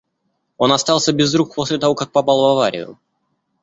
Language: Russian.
Он остался без рук после того, как попал в аварию.